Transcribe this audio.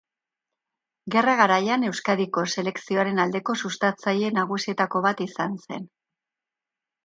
Gerra garaian, Euskadiko Selekzioaren aldeko sustatzaile nagusietako bat izan zen.